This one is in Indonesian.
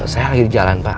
saya lagi di jalan pak